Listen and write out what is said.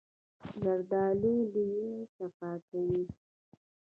زردالو د وینې صفا کوي.